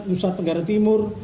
nusa tenggara timur